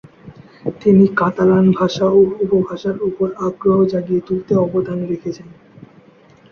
তিনি কাতালান ভাষা ও উপভাষার উপর আগ্রহ জাগিয়ে তুলতে অবদান রেখেছেন।